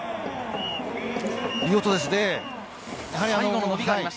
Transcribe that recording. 見事ですね。